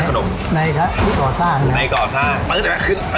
ขอบเคลียรับนะครับฉันไม่ได้ถามตัวเองนะ